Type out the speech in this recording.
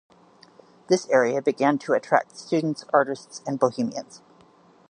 This area began to attract students, artists and bohemians.